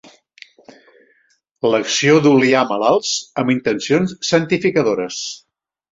L'acció d'oliar malalts amb intencions santificadores.